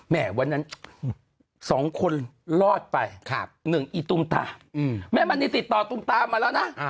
วันนั้น๒คนรอดไป๑อีตุมตามแม่มณีติดต่อตุมตามมาแล้วนะ